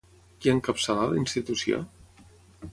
Qui encapçala la institució?